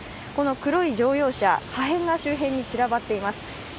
この黒い乗用車、破片が周辺に散らばっています。